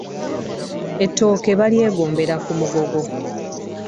Ettooke balyegombera ku mugogo .